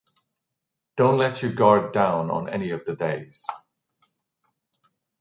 Don’t let your guard down on any of the days.